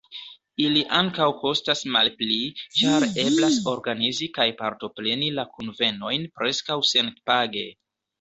Ili ankaŭ kostas malpli, ĉar eblas organizi kaj partopreni la kunvenojn preskaŭ senpage.